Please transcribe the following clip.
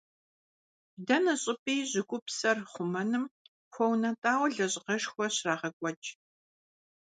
Дэнэ щӀыпӀи щӀыгупсхэр хъумэным хуэунэтӀауэ лэжьыгъэшхуэ щрагъэкӀуэкӀ.